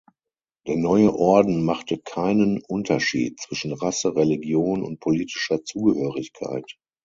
Der neue Orden machte keinen Unterschied zwischen Rasse, Religion und politischer Zugehörigkeit.